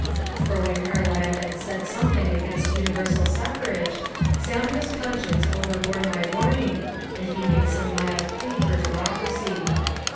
For when Carlyle had said something against universal suffrage, Samuel's conscience overbore my warning and he made some mild plea for demo cracy.